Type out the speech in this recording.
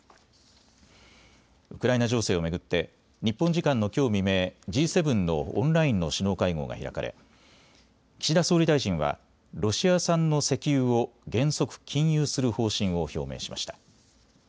ウクライナ情勢を巡って日本時間のきょう未明、Ｇ７のオンラインの首脳会合が開かれ岸田総理大臣はロシア産の石油を原則禁輸する方針を表明しました。